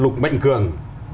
lúc mạnh cường